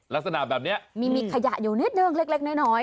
ลักษณะแบบนี้มีขยะอยู่นิดนึงเล็กน้อย